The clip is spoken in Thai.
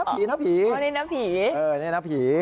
อันนี้น๊ะภีร์ใช่นี่น๊ะภีร์